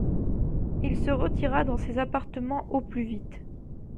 Il se retira dans ses appartements au plus vite.